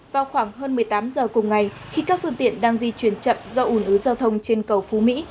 vào khoảng hơn một mươi tám giờ cùng ngày khi các phương tiện đang di chuyển chậm do ủn ứ giao thông trên cầu phú mỹ